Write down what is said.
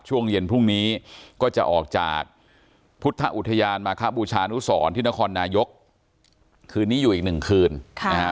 ช่วงเย็นพรุ่งนี้ก็จะออกจากพุทธอุทธิญาณมาครับอุชานุศรที่นครนายกคืนนี้อยู่อีก๑คืนนะครับ